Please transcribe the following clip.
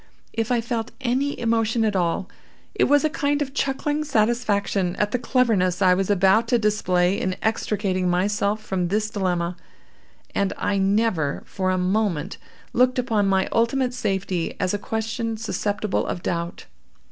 If I felt any emotion at all, it was a kind of chuckling satisfaction at the cleverness I was about to display in extricating myself from this dilemma; and I never, for a moment, looked upon my ultimate safety as a question susceptible of doubt.